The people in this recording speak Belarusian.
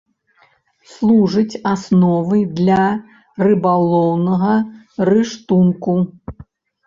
Служыць асновай для рыбалоўнага рыштунку.